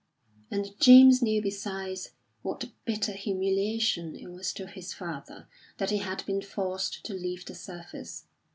And James knew besides what a bitter humiliation it was to his father that he had been forced to leave the service.